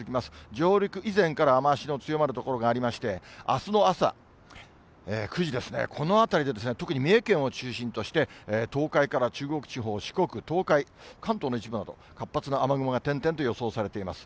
上陸以前から雨足の強まる所がありまして、あすの朝、９時ですね、この辺りですね、特に三重県を中心として、東海から中国地方、四国、東海、関東の一部など、活発な雨雲が点々と予想されています。